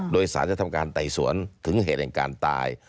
โดยสารจะทำการไต่สวนถึงเหตุแห่งการตาย